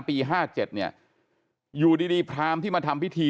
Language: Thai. ปี๕๗เนี่ยอยู่ดีพรามที่มาทำพิธี